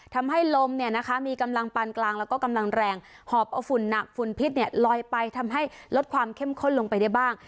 ทำให้ลมเนี่ยนะคะมีกำลังปานกลางแล้วก็กำลังแรงหอบเอาฝุ่นหนักฝุ่นพิษลอยไปทำให้ลดความเข้มข้นลงไปได้บ้าง